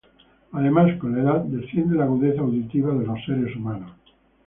Además, con la edad, desciende la agudeza auditiva de los seres humanos.